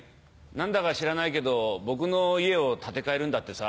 何だか知らないけど僕の家を建て替えるんだってさ。